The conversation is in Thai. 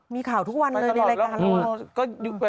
มีข่าวทุกวันเลยในรายการเรา